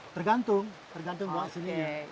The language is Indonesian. tergantung tergantung bawa sini